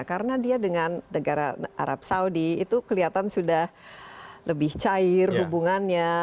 karena dia dengan negara arab saudi itu kelihatan sudah lebih cair hubungannya